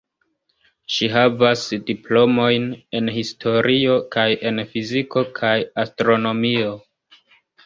Ŝi havas diplomojn en historio kaj en fiziko kaj astronomio.